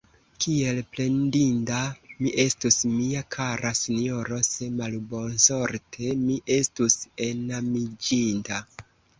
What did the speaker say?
Kiel plendinda mi estus, mia kara sinjoro, se malbonsorte mi estus enamiĝinta!